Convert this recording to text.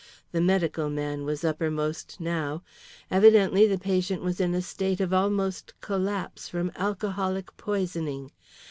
The medical man was uppermost now. Evidently the patient was in a state of almost collapse from alcoholic poisoning.